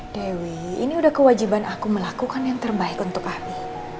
dewi ini udah kewajiban aku melakukan yang terbaik untuk kami